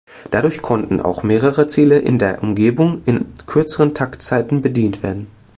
Dadurch konnten auch mehrere Ziele in der Umgebung in kürzeren Taktzeiten bedient werden.